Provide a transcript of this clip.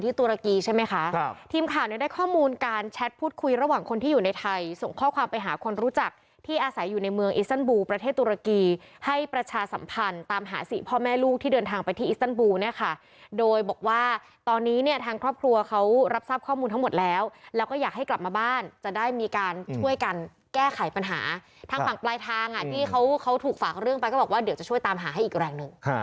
ที่เขาถูกฝากเรื่องไปก็บอกว่าเดี๋ยวจะช่วยตามหาให้อีกแรงหนึ่ง